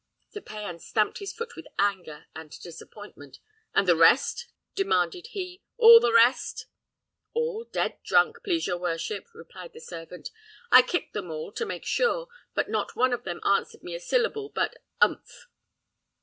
Sir Payan stamped his foot with anger and disappointment. "And the rest?" demanded he; "all the rest?" "All dead drunk, please your worship!" replied the servant; "I kicked them all, to make sure, but not one of them answered me a syllable but Umph!"